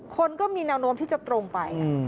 คนก็มีเนียลโนมที่จะตรงไป